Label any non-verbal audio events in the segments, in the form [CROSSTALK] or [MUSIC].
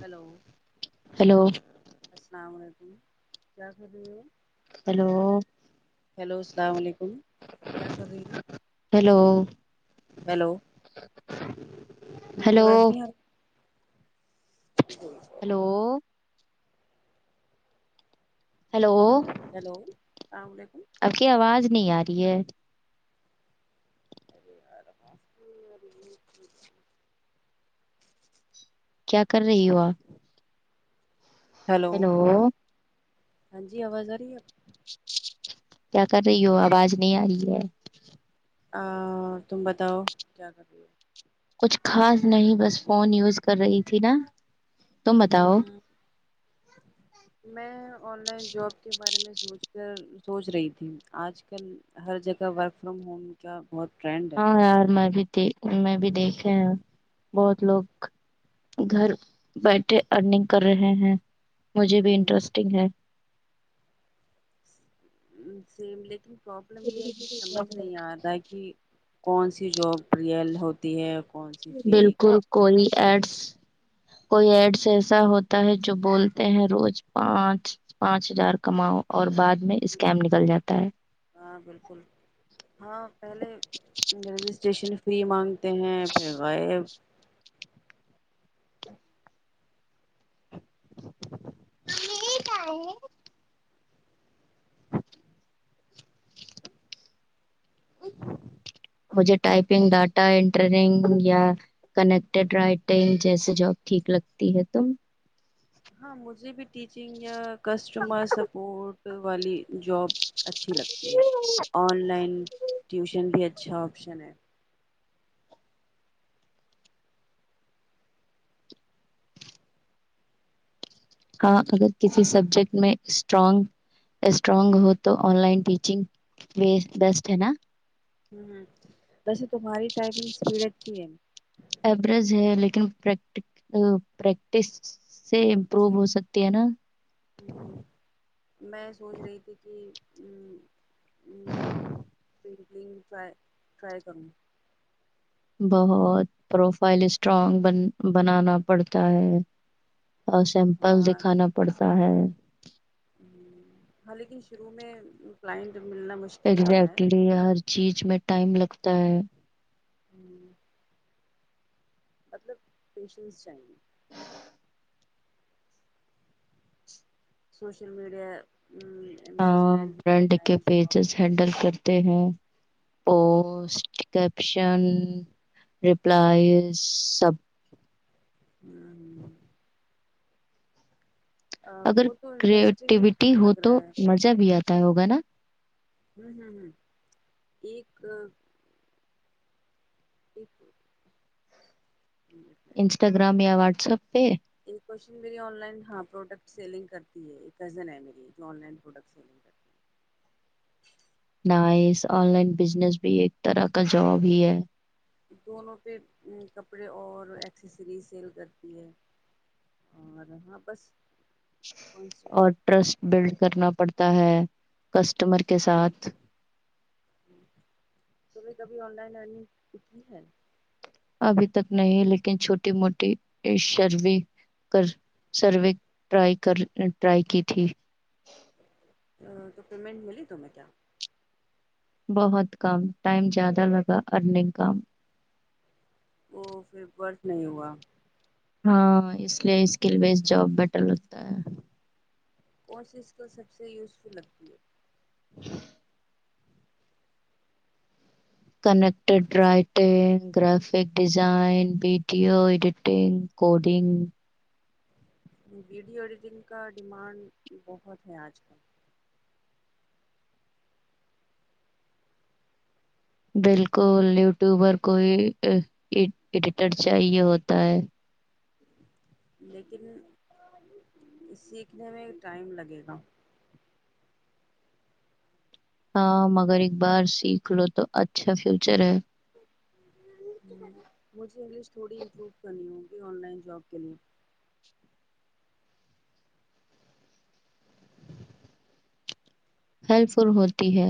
hello hello السلام علیکم کیا کرھر ہیلو ہیلو الل علیکم کیا کر رہی ہے ہیلو ہیلو جی ہیلو بازری ہار ہلو ہیلو ہیلو اللام علیکم آپ کی آواز نہیں آ رہی ہے ار کیا کر رہی ہو آپ ہیلو ہاں جی آواز رہی ہے کیا کر رہی ہو آواز نہیں آ رہی ہے ہ تم بتاؤ کیا کر رہی ہو کچھ خاص نہیں بس فون یوز کر رہی تھی نا تو بتاؤ ہوں ہوں میں آن لائن جاب کے بارے میں سوچ کر سوچ رہی تھی آج کل ہر جگہ ورک فرام ہوم کا بہت ٹرینڈ ہے ہاں ار آار بھی میں بھی دیکھے ہیں بہت لوگ گھر بیٹٹھے ارننگ کر رہے ہیں مجھے بھی ہوں انٹرسٹنگ ہے ہ سیم لیک پروابلم یہ ہے کہ سمجھ نہیں آا کہ کون سی جاب رئل ہوتی ہے کون سی فیک بالکل کوئی ایڈس کوئی ایڈس ایسا ہوتا ہے جو بولتے ہیں روز پانچ پانچ ہزار کماؤ اور بعد میں اسکیم نکل جاتا ہے ہاں بالکل ہاں پہلے رجسٹریشن فری مانگ ہیں پھر غائب یہ کا ہے مجھے ٹائپنگ ڈاٹا انٹرنگ یا کنیکٹیڈ رائٹنگ جیس جاب ٹھیک لگتی ہے تم ہاں مجھے بھی ٹیچنگ یا کسٹمر سپورٹ والی جاب اچھی لگتی ہے آن لائن ٹیوشن بھی اچھا آپشن ہے ہاں اگر کسی سبجیکٹ میں اسٹرانگ اسٹرانگ ہو تو آن لائن ٹیچنگ بھی بیسٹ ہے نا ہوں پس تومہاری ٹائپنگ اسپیڈ اچھی ہے ل پر پریکٹس سے امپروو صر ہو سکتی ہے نا ج میں سوچ رہی تھی کہ ہوں رائی کروں بہت پروفائل اسٹرانگ بن بنانا پڑتا ہے اور سیمپل دکھانا پڑتا ہے ہ ہاں لیکن شروع میں کلائنٹ ملنا مشکل ہوتا ہے اگزیکٹلی ہر چیز میں ٹائم لگتا ہے ہوں مطلب پیشنس چاہیں گے ہ سوشل میڈیا مینجمنٹ برنڈ کے آن جاب پیجز ہینڈل کرتے ہیں پوسٹکپشن رپلائز سب ہوں ہ اگر وہ تو انٹرسٹنگ کریٹیوٹی ہو لگ تو رہا ہے مزہ بھی آتا ہوگا نا ہوں ہوں ہوں ایک جٹ انسٹاگرام یا و سبے ایک کوشن میری آن لائن ہاں پروڈکٹ سیلنگ کرتی ہے ایک کزن ہے میری جو آن لائن پروڈکٹ سیلنگ کرتی ہے آن لائن بزنس بھی ایک طرح کا جاب ہی ہے دونوں پہ کپڑے اور ایکسیسری سیل کرتی ہے اور ہاں بس اور ٹرسٹ بلڈ کرنا پڑتا ہے کس کسٹمر کے ساتھ تمہیں کبھی آن لائن لرنگ اتنی ہے ابھی تک نہیں لیکن چھوٹی موٹی سروے ٹرائی کی تھی تو پیمنٹ ملی تیں کیا بہت کم ٹائم زیادہ لگا ارننگ کام وہ پھر برف نہیں ہوا ہاں اس لیے اسکل بیس جاب بیٹر ہوتا ہے کوش اس کو سب سے یوزفل لگتی ہے connected writing graphic design video editing coding video editing کا ڈیمانڈ بہت ہے آج کل بالکل یوٹیوبر کوئی ایڈیٹر چاہیے ہوتا ہے لیکن سیکھنے میں ٹائم لگے گا ہاں مگر ایک بار سیکھ لو تو اچھا فیوچر ہے مجھے انگلش تھوڑی امپروو کرنی ہوگی آن لائن جاب کے لیے ہیلپ فل ہوتی ہے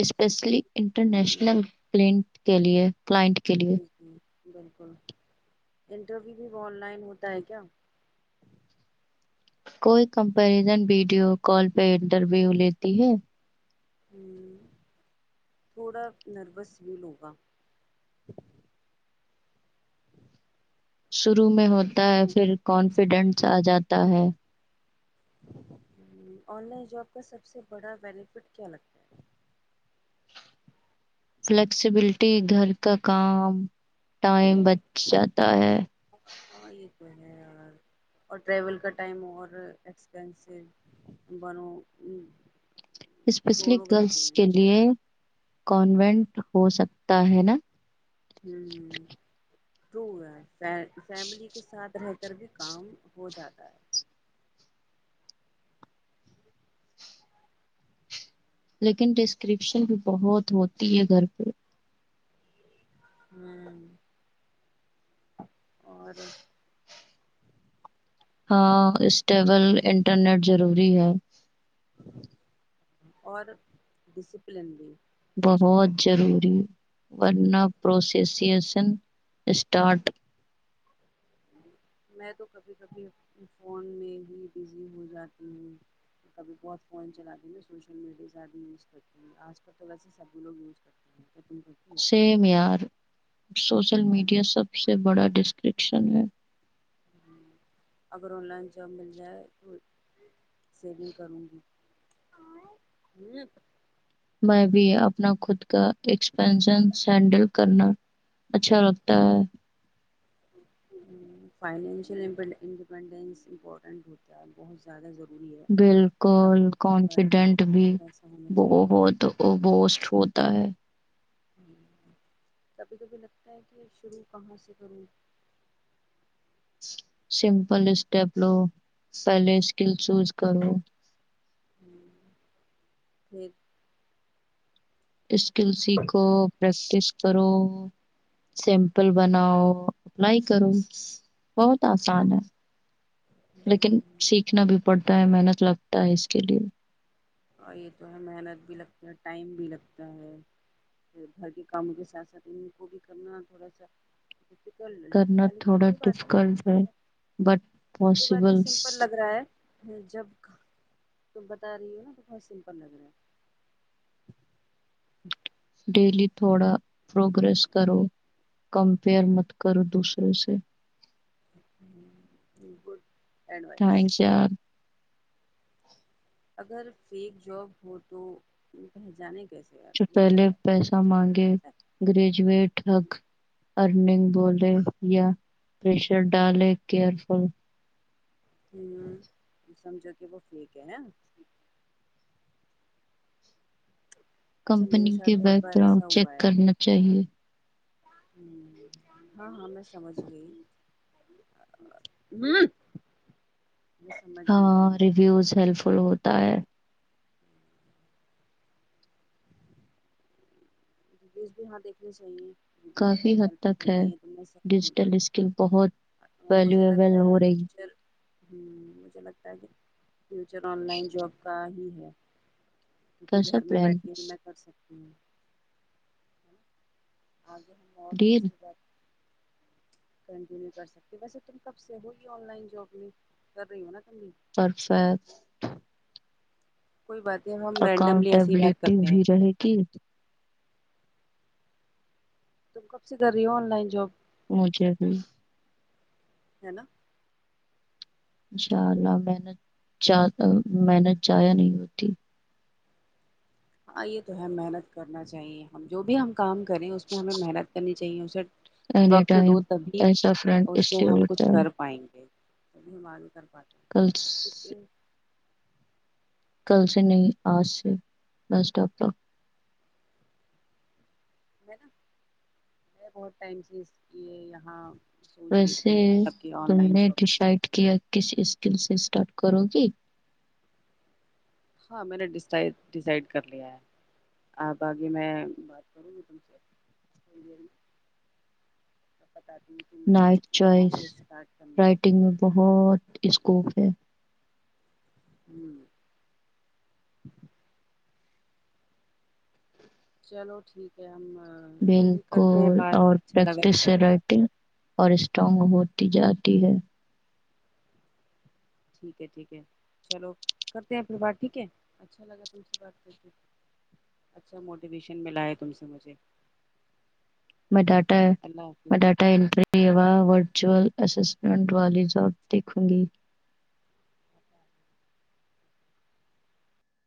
اسپیشلی انٹرنیشنل کلینٹ کے لیے کلائنٹ کے لیے جی جی بالکل انٹرویو بھی آن لائن ہوتا ہے کیا کوئی کمپریزن ویڈیو کال پہ انٹرویو لیتی ہے ہ تھوڑا نروس ویل ہوگا [INAUDIBLE] شروع میں ہوتا ہے پھر کانفیڈنس آ جاتا ہے آن لائن جاب کا سب سے بڑا بینیفٹ کیا لگتا ہے فلیکسیبلٹی گھر کا کام ٹائم بچ جاتا ہے ہاں یہ تو ہے یار اور ٹریول کا ٹائم اور ایکسپینسو بنوں اسپیشلی گرلس کے لیئے کانوینٹ ہو سکتا ہے نا ہوں تو ہے ف فیملی کے ساتھ رہ کر بھی کام ہو جاتا ہے لیکن ڈسکرپشن بھی بہت ہوتی ہے گھر پہ ہوں اور ہاں اسٹیبل انٹرنیٹ ضروری ہے اور ڈسپلن بھی بہت ضروری ورنہ پروسیسیشن اسٹارٹ میں تو کبھی کبھی فون میں ہی بزی ہو جاتی ہوں کبھی بہت فون چلاتی میں سوشل میڈیا زیادہ یوز کرتی ہوں آج کل تو ویسے ہی سبھی لوگ یوز کرتے ہیں تم کرتی سیم یار سوشل ہو میڈیا سب سے بڑا ڈسٹرکٹ اسان ہے اگر آن لائن جاب مل جائے تو ضرور کروں گی ہوں میں بھی اپنا خود کا ایکسپینن سینڈل کرنا اچھا لگتا ہے فائنشیل انڈیپینڈنس امپورٹنٹ ہوتا ہے بہت زیادہ ضروری ہے اب بالکل پر کانفیڈنٹ بھی پیسہ ہونا چاہیے بہت بوسٹ ہو ہوتا ہے کبھی کبھی لگتا ہے کہ شروع کہاں سے کروں سمپل اسٹیپ لو پہلے اسکل شوز کروں ہیں [UNINTELLIGIBLE] اس کل سی کو بیسٹ لسٹ کرو سمپل بناؤ اپلائی کرو بہت آسان ہے لیکن پھر سیکھنا بھی پڑتا ہے محنت لگتا ہے اس کے لیے اور یہ تو ہے محنت بھی لگتا ہے ٹائم بھی لگتا ہے پھر گھر کے کاموں کے ساتھ ساتھ ان کو بھی کرنا تھوڑا سا ڈفیکلٹ کرنا لگتا ہے لیکن تھوڑا کوئی بات نہیں ڈفیکلٹ ہے بٹ یہ بات یہ پاسبلس سمپل لگ رہا جب بتا رہی ہو نا بت سمپل لگ رہا ہے [UNINTELLIGIBLE] [INAUDIBLE] [INAUDIBLE] ڈیلی تھوڑا پروگرریس کرو کمپیئر مت کرو دوسرے سے ہ بالکول ٹرین شاہ [INAUDIBLE] اگر فیک جاب ہو تو پہچانے کا جو پہلے پیسہ مانگے گریجویٹ تک ارننگ بولے روپیہ پریشر ڈالے کیئرفل ہو سمجھو کہ وہ فھیک ہے نہ اچھا میرے کمپنی کے ساتھ بہت بیک بار گراؤنڈ ایسا چیک ہوا ہے کرنا چاہیے [INAUDIBLE] ہاں ہاں میں سمجھ گئی ہوں میں سمجھ گئی ہاں تمہاری ریویوز ہیلپ فل ہو تا ہے بیچ بھی یہاں دیکھنی چاہیے ویڈیوز تو کافی خیر حد ہیلپ فل تک ہوتے ہے ہی تم نے صحیح بولا ڈیجیٹل اسکل بہت مجھے ویلیویبل لگتا ہے ہو رہی فیوچر ہوں مجھے لگتا ہے کہ فچر آن لائن جب کا ہی ہ کیونکہ کیسا گھر میں پلان بیٹھ کے ہی میں کر سکتی ہوں ہوں آگے ہم اور ڈیل دوس بات کنٹینیو کر سکتی ویسے تم کب سے ہوئی آن لائن جاب میں کر رہی ہو نا تم بھی پرفید کوئی بات نہیں ہم رینڈملی ایسی ہی بات اکاؤنٹیبلٹی کرتے ہیں بھی ٹھیک ہے رہے گی تم کب سے کر رہی ہو آن لائن جاب م کیا سی ہے نا ان شاء اللہ میں نے میں نے چایا نہیں ہوتی ہاں یہ تو ہے محنت کرنا چاہیے ہم جو بھی ہم کام کریں اس میں ہمیں محنت کرنی ج س اینی وقت دو ٹائم تبھی ایسا فرینڈ اس پ لیے ہم کچھ ہوتا ہے کر پائیں گے اب ہم ہماری کر پاتے ہیں کل تو یہ [INAUDIBLE] کل سے نہیں آج سے بس ڈپ کا میں نا بہت ٹائم سے اس یہ یہاں [INAUDIBLE] رہی ویسے تھی مطلب کہ آن تم لائن نے جاب کرنے ڈسائڈ کے کیا لیے ک اسکل سے اسٹارٹ کرو گی [INAUDIBLE] ہاں میں نے ڈسائڈ کر لیا ہے آپ آگے میں بات کروں گی تم سے بتاتی ہوں کہ مجھے نائٹ کہاں چوائس سے اسٹارٹ کرنا ہے رائٹنگ میں بہت اسکوپ [UNINTELLIGIBLE] اچھ [UNINTELLIGIBLE] ہوں [INAUDIBLE] چلو ٹھیک ہے پھر بالک کرتے ہیں اور بات اچھا لگا پریکٹس تم سے بات کر رائٹنگ اور اسٹرانگ ہو [UNINTELLIGIBLE] جاتی ہے ٹھیک ہے ٹھیک ہے چلو کرتے ہیں پھر بات ٹھیک ہے اچھا لگا تم سے بات کر اچھا موٹیویشن ملا ہے تم سے مجھے [UNINTELLIGIBLE] میں اوکے ڈاٹا اللہ میں حافظ ڈاٹاٹری [UNINTELLIGIBLE] چئل اسسمنٹ والی ضاب دھوں گی [UNINTELLIGIBLE]